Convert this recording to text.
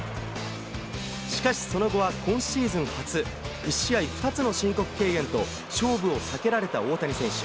しかし、その後は今シーズン初、１試合２つの申告敬遠と、勝負を避けられた大谷選手。